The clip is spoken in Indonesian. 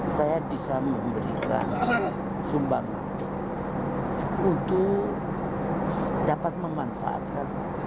saya bisa memberikan sumbang untuk dapat memanfaatkan